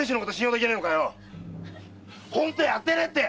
〔本当やってねえって！〕